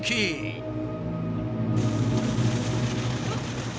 えっ？